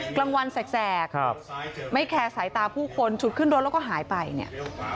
กลางวันแสกไม่แคร์สายตาผู้คนฉุดขึ้นรถแล้วก็หายไปเนี่ย